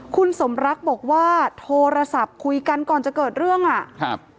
คุณสมรักบอกว่าโทรศัพท์คุยกันก่อนจะเกิดเรื่องอ่ะครับ